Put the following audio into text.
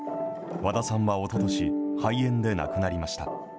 和田さんはおととし、肺炎で亡くなりました。